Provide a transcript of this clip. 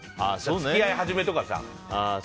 付き合い始めとか。